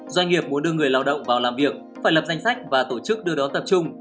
doanh nghiệp muốn đưa người lao động vào làm việc phải lập danh sách và tổ chức đưa đón tập trung